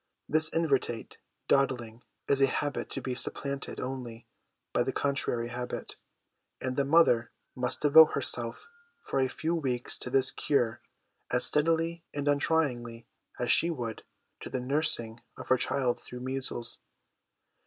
This inveterate dawdling is a habit to be supplanted 120 HOME EDUCATION only by the contrary habit, and the mother must de vote herself for a few weeks to this cure as steadily and untiringly as she would to the nursing of her child through measles.